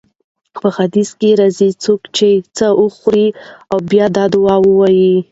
حديث کي راځي: څوک چې څه خوراک وخوري او بيا دا دعاء ووايي: